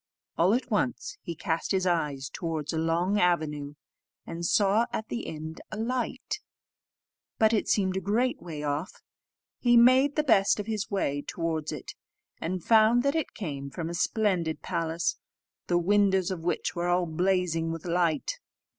All at once, he cast his eyes towards a long avenue, and saw at the end a light, but it seemed a great way off. He made the best of his way towards it, and found that it came from a splendid palace, the windows of which were all blazing with light.